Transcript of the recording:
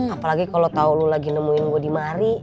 apalagi kalo tau lo lagi nemuin gue di mari